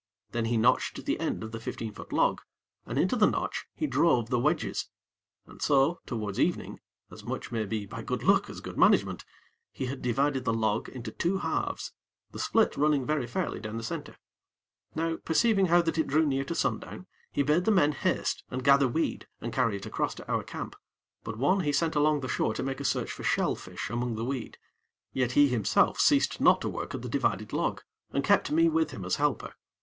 Then he notched the end of the fifteen foot log, and into the notch he drove the wedges, and so, towards evening, as much, maybe, by good luck as good management, he had divided the log into two halves the split running very fairly down the center. Now, perceiving how that it drew near to sundown, he bade the men haste and gather weed and carry it across to our camp; but one he sent along the shore to make a search for shell fish among the weed; yet he himself ceased not to work at the divided log, and kept me with him as helper.